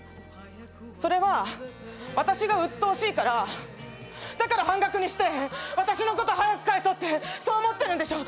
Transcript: それは私がうっとうしいからだから半額にして私のこと早く帰そうってそう思ってるんでしょ！？